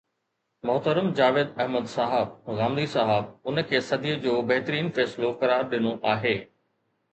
محترم جاويد احمد صاحب غامدي صاحب ان کي صديءَ جو بهترين فيصلو قرار ڏنو آهي